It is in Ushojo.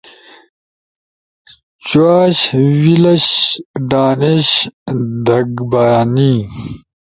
چُواش، ویلش، ڈانیش، دھگبانی